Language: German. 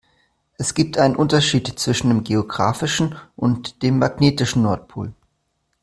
Es gibt einen Unterschied zwischen dem geografischen und dem magnetischen Nordpol.